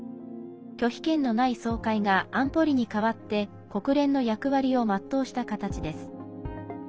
拒否権のない総会が安保理に代わって国連の役割を全うした形です。